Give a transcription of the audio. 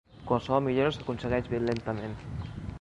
Qualsevol millora s'aconsegueix ben lentament.